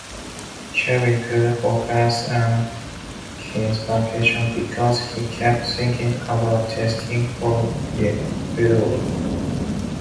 Kevin couldn’t focus on his vacation because he kept thinking about testing Fedora.